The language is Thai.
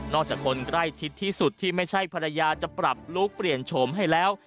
จากคนใกล้ชิดที่สุดที่ไม่ใช่ภรรยาจะปรับลูกเปลี่ยนโฉมให้แล้ว